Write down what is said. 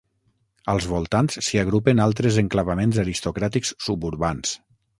Als voltants s'hi agrupen altres enclavaments aristocràtics suburbans.